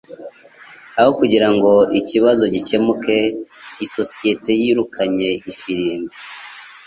Aho kugirango ikibazo gikemuke, isosiyete yirukanye ifirimbi.